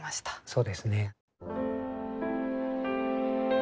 そうですね。